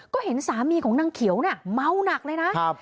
ก็เห็นสามีของนางเขียวเนี่ยเมาหนักเลยนะ